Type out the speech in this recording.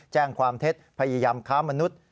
แจ้งความเท็จพยายามค้ามนุษย์